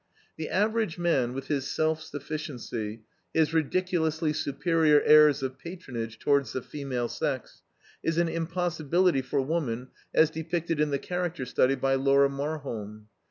The average man with his self sufficiency, his ridiculously superior airs of patronage towards the female sex, is an impossibility for woman as depicted in the CHARACTER STUDY by Laura Marholm.